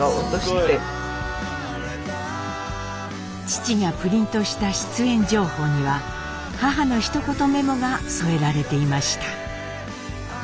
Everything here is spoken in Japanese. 父がプリントした出演情報には母のひと言メモが添えられていました。